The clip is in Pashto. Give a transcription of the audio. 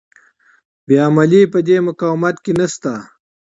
بې عملي په دې مقاومت کې نشته.